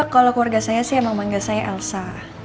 kalau keluarga saya sih emang mangga saya elsa